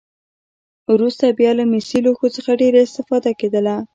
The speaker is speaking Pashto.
وروسته بیا له مسي لوښو څخه ډېره استفاده کېدله.